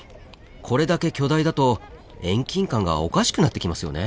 これだけ巨大だと遠近感がおかしくなってきますよね。